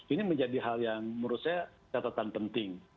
ini menjadi hal yang menurut saya catatan penting